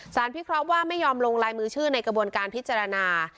พิเคราะห์ว่าไม่ยอมลงลายมือชื่อในกระบวนการพิจารณา